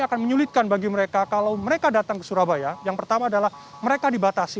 akan menyulitkan bagi mereka kalau mereka datang ke surabaya yang pertama adalah mereka dibatasi